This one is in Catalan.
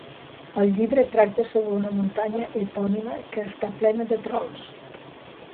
El llibre tracta sobre una muntanya epònima, que està plena de trols.